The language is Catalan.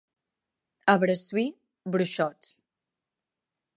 A Bressui, bruixots.